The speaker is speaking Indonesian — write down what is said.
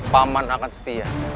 paman akan setia